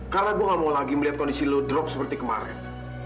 karena gue gak mau lagi melihat kondisi lo drop seperti kemarin